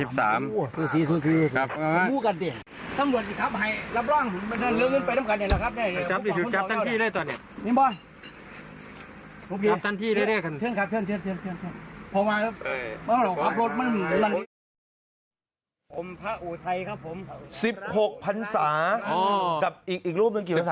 ผมพระอุทัยครับผม๑๖พันศากับอีกรูปหนึ่งกี่ไหมครับ